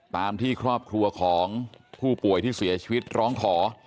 ตามที่ครอบครัวของผู้ป่วยที่เสียชีวิตร้องขอ